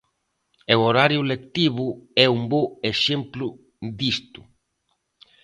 E o horario lectivo é un bo exemplo disto.